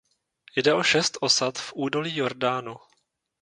Jde o šest osad v údolí Jordánu.